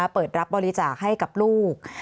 เปิดรับบริจาคให้กับลูก